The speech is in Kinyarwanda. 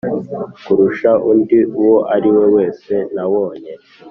kurusha undi uwo ariwe wese nabonye